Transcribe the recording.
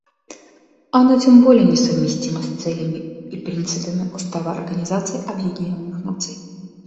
Оно тем более несовместимо с целями и принципами Устава Организации Объединенных Наций.